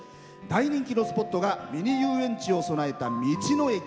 大人気のスポットがミニ遊園地を備えた道の駅。